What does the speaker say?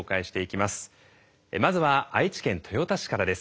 まずは愛知県豊田市からです。